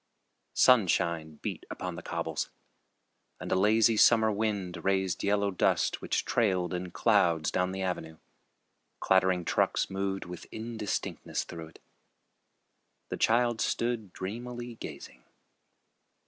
Sunshine beat upon the cobbles, and a lazy summer wind raised yellow dust which trailed in clouds down the avenue. Clattering trucks moved with indistinctness through it. The child stood dreamily gazing.